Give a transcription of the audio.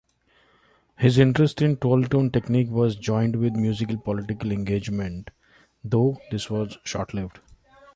His interest in twelve-tone technique was joined with musical-political engagement, though this was short-lived.